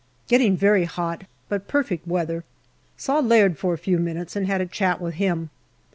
Getting very hot, but perfect weather. Saw Laird for a few minutes and had a chat with him.